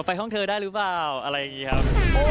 ไปห้องเธอได้หรือเปล่าอะไรอย่างนี้ครับ